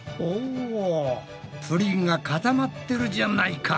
おプリンが固まってるじゃないか。